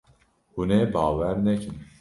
Hûn ê bawer nekin.